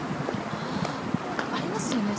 あぁありますよね